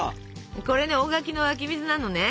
これね大垣の湧き水なのね。